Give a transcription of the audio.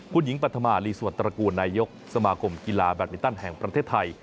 คุณหญิงปัธมารีสวรรตระกูลนายกสมาคมกีฬาแบตมินตันแห่งประเทศไทย